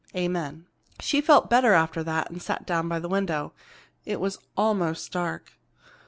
Amen." She felt better after that, and sat down by the window. It was almost dark....